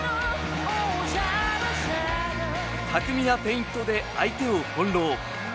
巧みなフェイントで相手を翻弄。